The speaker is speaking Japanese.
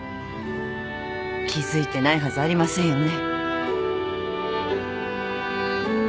気付いてないはずありませんよね？